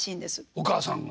お母さんが。